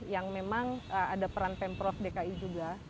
yang memang ada peran pemprov dki juga